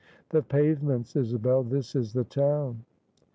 "The pavements, Isabel; this is the town."